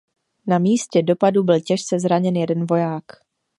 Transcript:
Na místě dopadu byl těžce zraněn jeden voják.